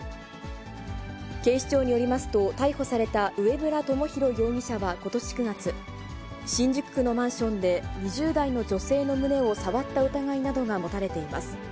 警視庁によりますと、逮捕された上村朋弘容疑者はことし９月、新宿区のマンションで２０代の女性の胸を触った疑いなどが持たれています。